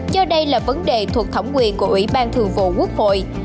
cho đây là vấn đề thuộc thẩm quyền của ủy ban thường vụ quốc hội